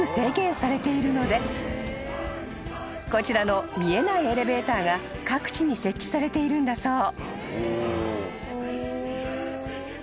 ［こちらの見えないエレベーターが各地に設置されているんだそう］